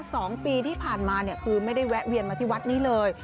สองปีที่ผ่านมาเนี่ยคือไม่ได้แวะเวียนมาที่วัดนี้เลย